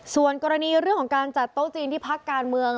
ส่วนกรณีเรื่องของการจัดโต๊ะจีนที่พักการเมือง